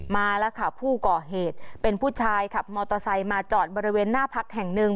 มาแล้วค่ะผู้ก่อเหตุเป็นผู้ชายขับมอเตอร์ไซค์มาจอดบริเวณหน้าพักแห่งหนึ่ง